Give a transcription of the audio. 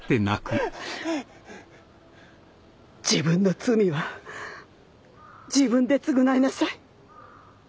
自分の罪は自分で償いなさい。